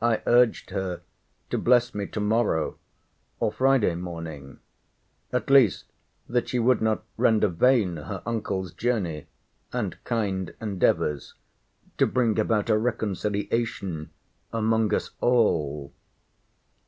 I urged her to bless me to morrow, or Friday morning; at least, that she would not render vain her uncle's journey, and kind endeavours to bring about a reconciliation among us all.